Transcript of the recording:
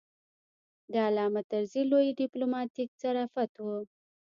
د علامه طرزي لوی ډیپلوماتیک ظرافت و.